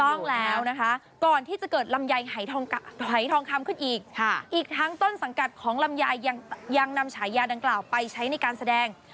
ต้องแล้วนะคะก่อนที่จะเกิดลำไยทองคำขึ้นอีกอีกทั้งต้นสังกัดของลำไยยังนำฉายาดังกล่าวไปใช้ในการแสดง